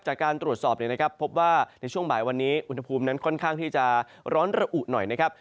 จากการตรวจสอบเนี่ยนะครับพบว่าในช่วงบ่ายวันนี้อุณหภูมินั้นค่อนข้างที่จะร้อนระอุหน่อยนะครับ